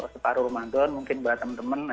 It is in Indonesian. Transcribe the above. separuh ramadan mungkin buat teman teman